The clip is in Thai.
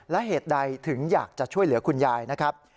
และเหตุใดถึงอยากจะช่วยเหลือคุณยายนะครับ